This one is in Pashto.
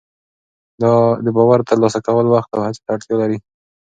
د باور ترلاسه کول وخت او هڅې ته اړتیا لري.